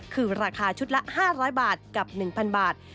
คือราคาชุดละ๕๐๐บาทกับ๑๐๐บาท